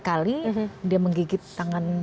kali dia menggigit tangan